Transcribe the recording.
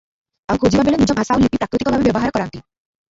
ଆଉ ଖୋଜିବା ବେଳେ ନିଜ ଭାଷା ଆଉ ଲିପି ପ୍ରାକୃତିକ ଭାବେ ବ୍ୟବହାର କରନ୍ତି ।